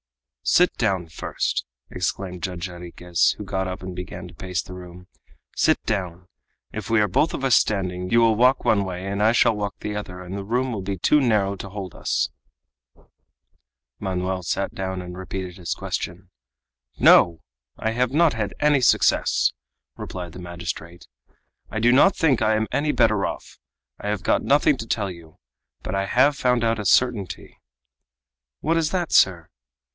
"Sit down first," exclaimed Judge Jarriquez, who got up and began to pace the room. "Sit down. If we are both of us standing, you will walk one way and I shall walk the other, and the room will be too narrow to hold us." Manoel sat down and repeated his question. "No! I have not had any success!" replied the magistrate; "I do not think I am any better off. I have got nothing to tell you; but I have found out a certainty." "What is that, sir?"